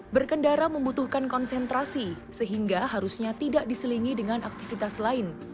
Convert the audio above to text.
berkendara membutuhkan konsentrasi sehingga harusnya tidak diselingi dengan aktivitas lain